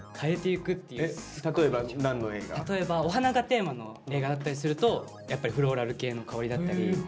例えばお花がテーマの映画だったりするとやっぱりフローラル系の香りだったり。